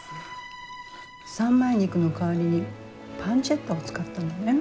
三枚肉の代わりにパンチェッタを使ったのね。